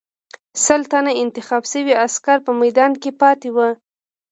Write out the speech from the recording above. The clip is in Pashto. سل تنه انتخاب شوي عسکر په میدان کې پاتې وو.